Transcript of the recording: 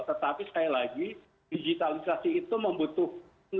tetapi sekali lagi digitalisasi itu membutuhkan